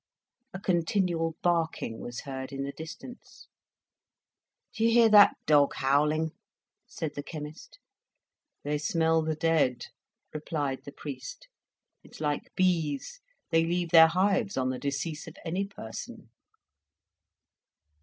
A continual barking was heard in the distance. "Do you hear that dog howling?" said the chemist. "They smell the dead," replied the priest. "It's like bees; they leave their hives on the decease of any person."